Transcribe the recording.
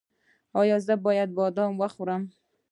ایا زه باید بادام وخورم؟